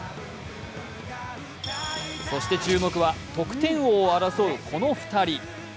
そして注目は得点王を争うこの２人。